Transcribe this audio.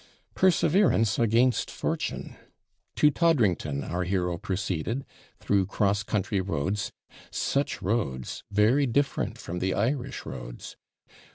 'Perseverance against fortune.' To Toddrington our hero proceeded, through cross country roads such roads! very different from the Irish roads.